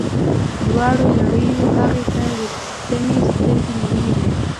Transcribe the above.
دواړو لړیو هغې ته د طمعې سترګې نیولي وې.